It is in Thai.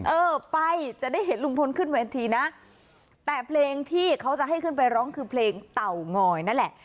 เออไปจะได้เห็นลุงพลขึ้นเวทีนะแต่เพลงที่เขาจะให้ขึ้นไปร้องคือเพลงเต่างอยนั่นแหละ